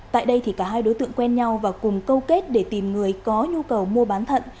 tại đây thì cả hai đối tượng quen nhau và cùng câu kết để tìm người có nhu cầu mua bán thận